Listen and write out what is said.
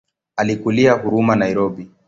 Alikulia Huruma Nairobi.